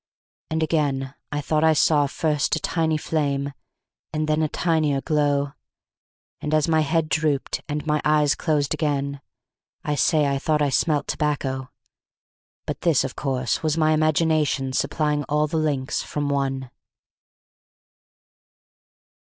And, again, I thought I saw first a tiny flame, and then a tinier glow; and as my head drooped, and my eyes closed again, I say I thought I smelt tobacco; but this, of course, was my imagination supplying all the links from one.